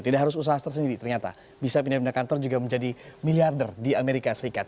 tidak harus usaha tersendiri ternyata bisa pindah pindah kantor juga menjadi miliarder di amerika serikat